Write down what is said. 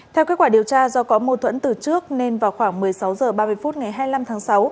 theo kết quả điều tra do có mâu thuẫn từ trước nên vào khoảng một mươi sáu h ba mươi phút ngày hai mươi năm tháng sáu